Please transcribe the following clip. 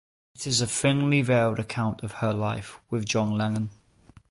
It is a thinly veiled account of her life with John Lennon.